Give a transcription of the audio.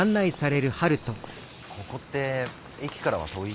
ここって駅からは遠い？